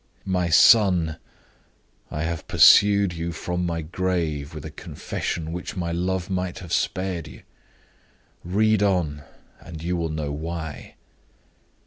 "My son! I have pursued you from my grave with a confession which my love might have spared you. Read on, and you will know why.